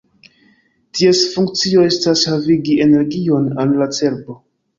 Ties funkcio estas havigi energion al la cerbo.